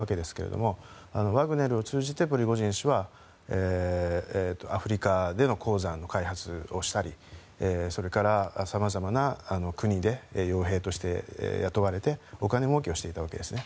そうなるとプリゴジン氏はワグネルを失うわけですがワグネルを通じてプリゴジン氏はアフリカでの鉱山の開発をしたりそれから、様々な国で傭兵として雇われてお金もうけをしていたわけですね。